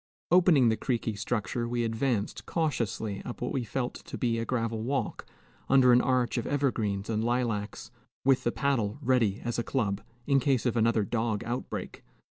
Opening the creaky structure, we advanced cautiously up what we felt to be a gravel walk, under an arch of evergreens and lilacs, with the paddle ready as a club, in case of another dog outbreak.